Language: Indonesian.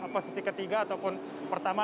posisi ketiga ataupun pertama